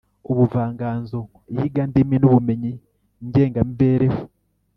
ubuvanganzo, iyigandimi n’ubumenyi ngengamibereho